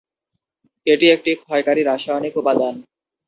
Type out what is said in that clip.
এটি একটি ক্ষয়কারী রাসায়নিক উপাদান।